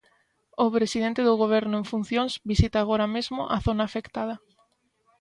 O presidente do Goberno en funcións, visita agora mesmo a zona afectada.